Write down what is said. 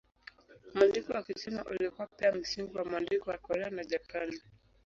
Mwandiko wa Kichina ulikuwa pia msingi wa mwandiko wa Korea na Japani.